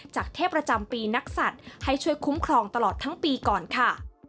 เทพประจำปีนักศัตริย์ให้ช่วยคุ้มครองตลอดทั้งปีก่อนค่ะ